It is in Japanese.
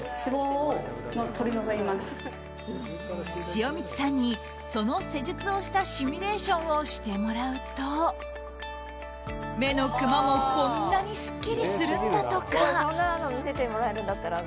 塩満さんにその施術をしたシミュレーションをしてもらうと目のクマもこんなにすっきりするんだとか。